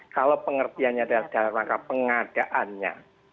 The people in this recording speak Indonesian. kalau pengertiannya adalah dalam rangka pengadaannya